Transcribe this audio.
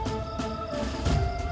hanya untuk menilai